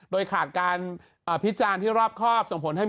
โดยขาดการสมบูรณ์หน้าจากเกณฑ์ทิม